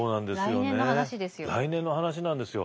来年の話なんですよ。